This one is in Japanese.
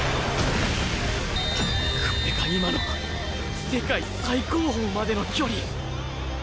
これが今の世界最高峰までの距離